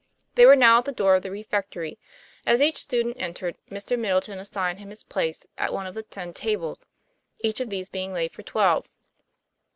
They were now at the door of the refectory; as each student entered Mr. Middleton assigned him his place at one of the ten tables, each of these being laid for twelve.